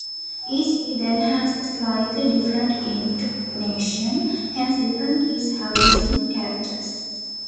Each key then has a slightly different intonation, hence different keys have distinct characters.